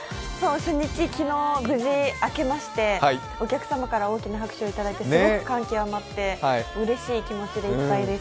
初日、昨日無事あけましてお客様から大きな拍手をいただいてすごく感極まってうれしい気持ちでいっぱいです。